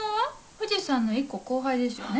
藤さんの１個後輩ですよね。